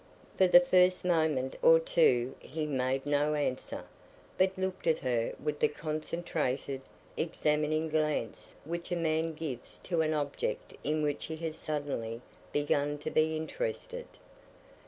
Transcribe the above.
For the first moment or two he made no answer, but looked at her with the concentrated, examining glance which a man gives to an object in which he has suddenly begun to be interested.